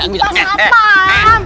pak kenapa ya